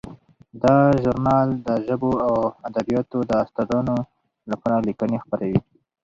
دا ژورنال د ژبو او ادبیاتو د استادانو لپاره لیکنې خپروي.